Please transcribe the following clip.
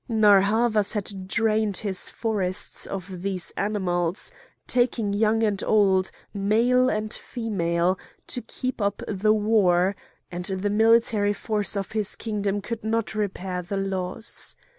Narr' Havas had drained his forests of these animals, taking young and old, male and female, to keep up the war, and the military force of his kingdom could not repair the loss.